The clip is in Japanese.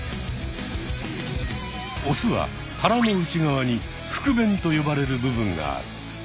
オスは腹の内側に腹弁と呼ばれる部分がある。